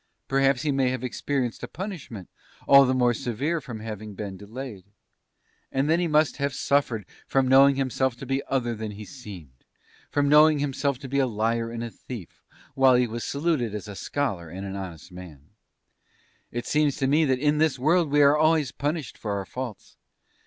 Perhaps he may have experienced a punishment all the more severe from having been delayed. And then he must have suffered from knowing himself to be other than he seemed! from knowing himself to be a liar and a thief, while he was saluted as a scholar and an honest man.... It seems to me that in this world we are always punished for our faults.